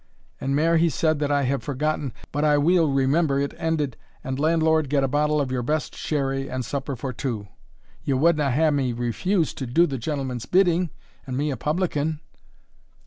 And mair he said that I have forgotten, but I weel remember it ended, 'And, landlord, get a bottle of your best sherry, and supper for two.' Ye wadna have had me refuse to do the gentleman's bidding, and me a publican?"